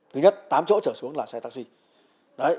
thứ nhất tám chỗ trở xuống là xe taxi